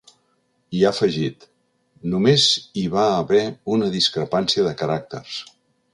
I ha afegit: ‘Només hi va haver una discrepància de caràcters’.